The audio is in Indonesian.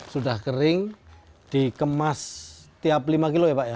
sudah kering dikemas setiap lima kg ya pak ya